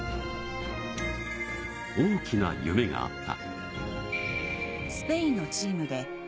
大きな夢があった。